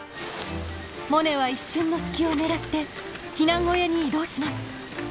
モネは一瞬の隙を狙って避難小屋に移動します。